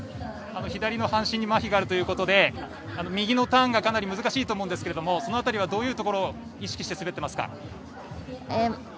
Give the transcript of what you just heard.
左の半身にまひがあるということで右のターンがかなり難しいと思うんですがその辺りはどういうところを意識して滑っていますか。